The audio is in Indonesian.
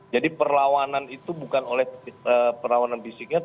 jadi perlawanan itu bukan oleh perlawanan fisiknya